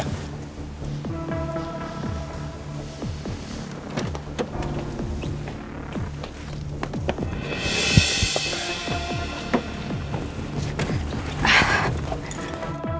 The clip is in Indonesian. udah selesai ya